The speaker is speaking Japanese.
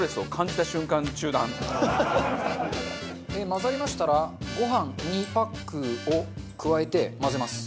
混ざりましたらご飯２パックを加えて混ぜます。